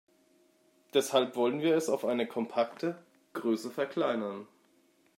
Deshalb wollen wir es auf eine kompakte Größe verkleinern.